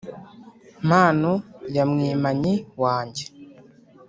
mpano ya mwimanyi wanjye